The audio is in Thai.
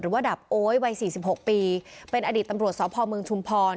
หรือว่าดาบโอ๊ยวัยสี่สิบหกปีเป็นอดีตตำรวจสอบภอมเมืองชุมพร